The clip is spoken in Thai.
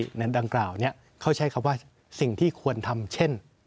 ประชามติในดังกล่าวเนี่ยเขาใช้คำว่าสิ่งที่ควรทำเช่น